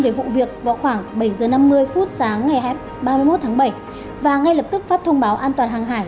về vụ việc vào khoảng bảy h năm mươi phút sáng ngày ba mươi một tháng bảy và ngay lập tức phát thông báo an toàn hàng hải